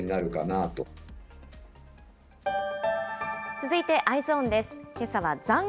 続いて、Ｅｙｅｓｏｎです。